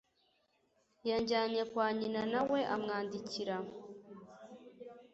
Yajyanye kwa nyina, na we amwandikira.